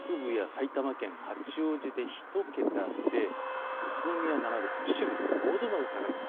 埼玉県、八王子で１桁で、宇都宮７度、秩父５度まで下がります。